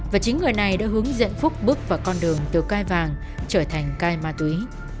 và chính người này đã hướng dẫn phúc bước vào con đường từ cai vàng trở thành cai ma túy